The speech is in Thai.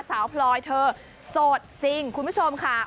พลอยเธอโสดจริงคุณผู้ชมค่ะ